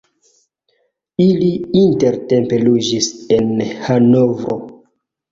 Ili intertempe loĝis en Hanovro.